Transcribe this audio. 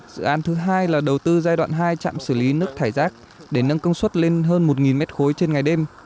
dự án thứ hai là đầu tư giai đoạn hai chạm xử lý nước thải rác để nâng công suất lên hơn một m ba trên ngày đêm